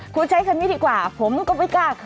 คุณใช้คำนี้ดีกว่าผมก็ไม่กล้า